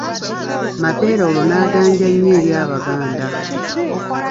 Mapeera olwo n'aganja nnyo eri Abaganda.